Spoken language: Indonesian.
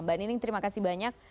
mbak nining terima kasih banyak